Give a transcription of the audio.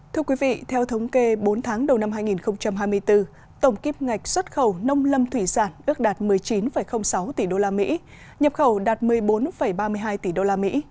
thưa quý vị theo thống kê bốn tháng đầu năm hai nghìn hai mươi bốn tổng kim ngạch xuất khẩu nông lâm thủy sản ước đạt một mươi chín sáu tỷ usd nhập khẩu đạt một mươi bốn ba mươi hai tỷ đô la mỹ